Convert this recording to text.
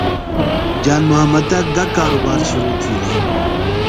جان محمدہ گہ کاروبار شرو تِھیلیۡ؟